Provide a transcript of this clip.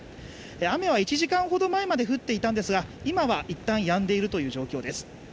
雨は１時間ほど前まで降っていたんですが今は一旦やんでいるという状況です。